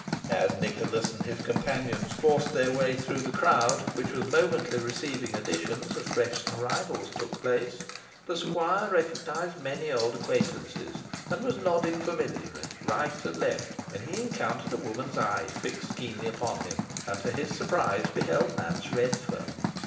As Nicholas and his companions forced their way through this crowd, which was momently receiving additions as fresh arrivals took place, the squire recognised many old acquaintances, and was nodding familiarly right and left, when he encountered a woman's eye fixed keenly upon him, and to his surprise beheld Nance Redferne.